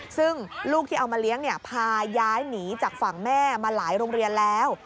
ซึ่งลูกที่เอามาเลี้ยงพาย้ายหนีจากฝั่งแม่มาหลายโรงเรียนแล้ว